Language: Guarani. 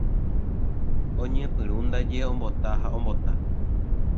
Oñepyrũndaje ombota ha ombota.